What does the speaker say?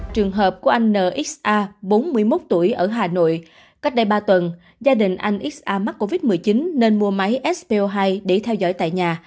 trường hợp của anh nsa bốn mươi một tuổi ở hà nội cách đây ba tuần gia đình anh x a mắc covid một mươi chín nên mua máy spo hai để theo dõi tại nhà